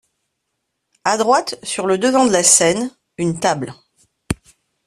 À droite, sur le devant de la scène, une table.